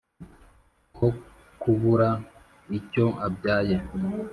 Ko kubura icyo abyaye